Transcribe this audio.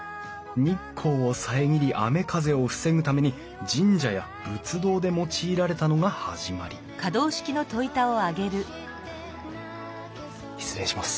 日光を遮り雨風を防ぐために神社や仏堂で用いられたのが始まり失礼します。